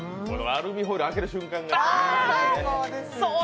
アルミホイル開ける瞬間がね。